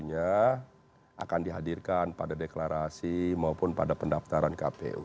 yang akan dihadirkan pada deklarasi maupun pada pendaftaran kpu